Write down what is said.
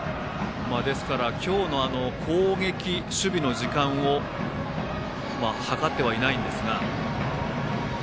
今日の攻撃、守備の時間を計ってはいないんですが。